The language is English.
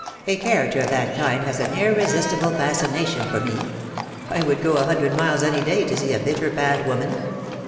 A character of that kind has an irresistible fascination for me. I would go a hundred miles any day to see a bitter, bad woman."